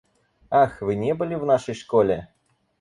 Ах, вы не были в нашей школе?